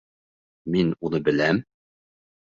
— Мин уны беләм.